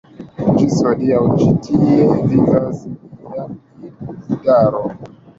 Ĝis hodiaŭ ĉi tie vivas lia idaro.